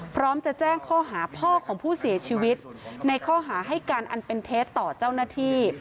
พร้อมจะแจ้งข้อหาพ่อของผู้เสียชีวิตในข้อหาให้การอันเป็นเท็จต่อเจ้าหน้าที่